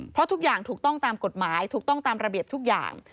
เพราะทุกอย่างถูกต้องตามกฎหมายถูกต้องตามระเบียบทุกอย่าง